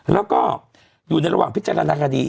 แล้วก็อยู่ในระหว่างพิจารณาคดี